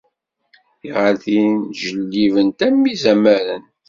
Tiɣaltin ttjellibent am yizamaren.